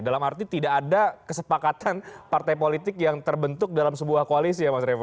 dalam arti tidak ada kesepakatan partai politik yang terbentuk dalam sebuah koalisi ya mas revo